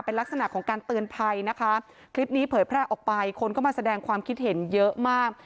เป็นลักษณะของการเตือนภัยนะคะคลิปนี้เผยแพร่ออกไปคนก็มาแสดงความคิดเห็นเยอะมาก